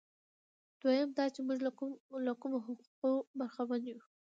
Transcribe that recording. دویم دا چې موږ له کومو حقوقو برخمن یو.